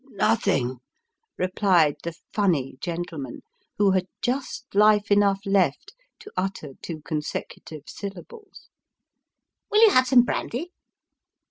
" Nothing," replied the " funny gentleman," who had just life enough left to utter two consecutive syllables. 3C>4 Sketches by Boz. " Will you have some brandy